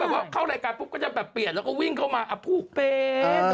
แล้วเข้ารายการปุ๊บก็แบบเราเปลี่ยนแล้วก็วิ่งเข้ามาห้าถูกเป็น